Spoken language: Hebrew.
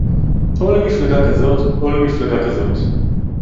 או למפלגה כזאת, או למפלגה כזאת